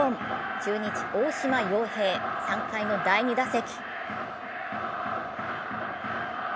中日・大島洋平、３回の第２打席。